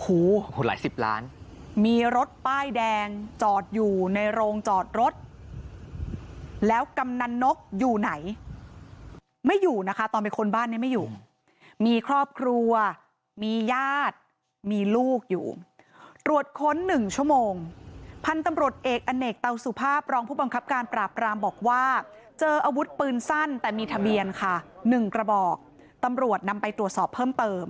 หูคนหลายสิบล้านมีรถป้ายแดงจอดอยู่ในโรงจอดรถแล้วกำนันนกอยู่ไหนไม่อยู่นะคะตอนไปค้นบ้านนี้ไม่อยู่มีครอบครัวมีญาติมีลูกอยู่ตรวจค้นหนึ่งชั่วโมงพันธุ์ตำรวจเอกอเนกเตาสุภาพรองผู้บังคับการปราบรามบอกว่าเจออาวุธปืนสั้นแต่มีทะเบียนค่ะ๑กระบอกตำรวจนำไปตรวจสอบเพิ่มเติม